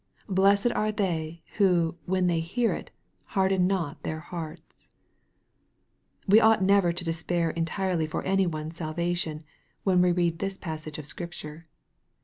Blessed are they, who, when they hear it, harden not their hearts ! We ought never to despair entirely of any one's salva tion, when we read this passage of Scripture.